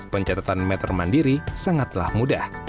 pencatatan meter mandiri sangatlah mudah